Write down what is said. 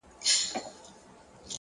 ژوند ټوله پند دی’